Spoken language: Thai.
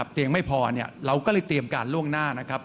เตียงไม่พอเราก็เลยเตรียมการล่วงหน้านะครับ